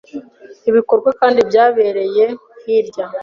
Ibikorwa kandi byabererye hirya